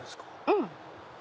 うん。